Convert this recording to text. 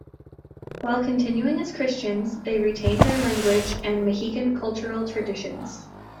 While continuing as Christians, they retained their language and Mahican cultural traditions.